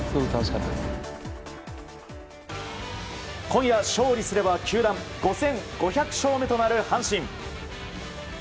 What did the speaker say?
今夜勝利すれば球団５５００勝目となる阪神。